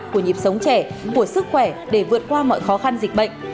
của nhịp sống trẻ của sức khỏe để vượt qua mọi khó khăn dịch bệnh